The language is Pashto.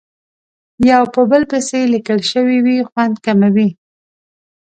یو په بل پسې لیکل شوې وي خوند کموي.